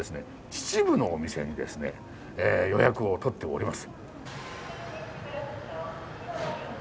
秩父のお店にですね予約を取っております。